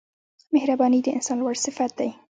• مهرباني د انسان لوړ صفت دی.